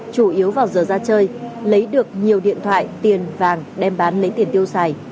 chủ yếu vào giờ ra chơi lấy được nhiều điện thoại tiền vàng đem bán lấy tiền tiêu xài